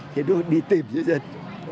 thì luôn đi tìm cho dân